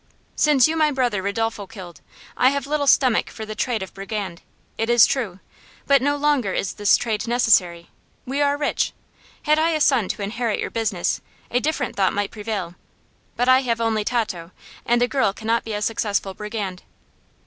"Since you my brother Ridolfo killed, I have little stomach for the trade of brigand. It is true. But no longer is this trade necessary. We are rich. Had I a son to inherit your business, a different thought might prevail; but I have only Tato, and a girl cannot be a successful brigand."